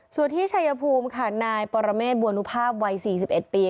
ส่วนที่ชายภูมิค่ะนายปรเมฆบัวนุภาพวัย๔๑ปี